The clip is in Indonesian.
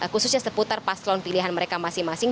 khususnya seputar paslon pilihan mereka masing masing